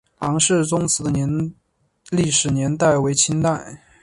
康氏宗祠的历史年代为清代。